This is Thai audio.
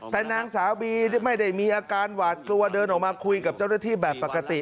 แต่นางสาวบีไม่ได้มีอาการหวาดกลัวเดินออกมาคุยกับเจ้าหน้าที่แบบปกติ